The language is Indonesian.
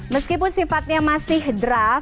meskipun sifatnya masih draf